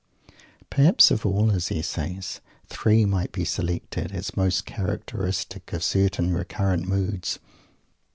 Perhaps of all his essays, three might be selected as most characteristic of certain recurrent moods.